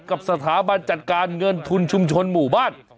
กับสถาบันจัดการเงินทุนชุมชนหมู่บ้าน